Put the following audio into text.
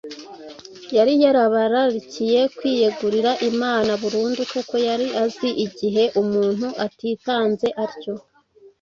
Yari yarabararikiye kwiyegurira Imana burundu kuko yari azi igihe umuntu atitanze atyo,